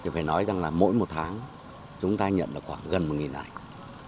phải nói rằng là mỗi một tháng chúng ta nhận được khoảng gần một ảnh